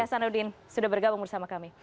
nanti b hasanuddin sudah bergabung bersama kami